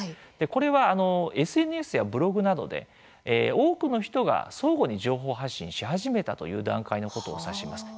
これはＳＮＳやブログなどで多くの人が相互に情報を発信し始めたという段階のことを指します。